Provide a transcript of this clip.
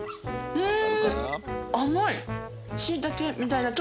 うん！